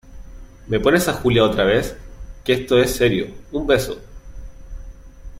¿ me pones a Julia otra vez? que esto es serio. un beso .